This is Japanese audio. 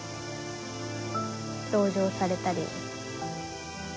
同情されたり。